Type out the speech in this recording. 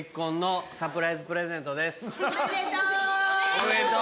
おめでとう！